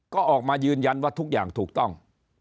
ก็ออกมายืนยันว่าทุกอย่างถูกต้อง